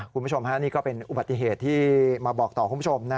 คุณผู้ชมฮะนี่ก็เป็นอุบัติเหตุที่มาบอกต่อคุณผู้ชมนะ